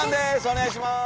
お願いします。